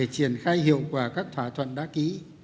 triển khai hiệu quả các thỏa thuận đã ký